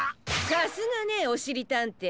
さすがねおしりたんてい。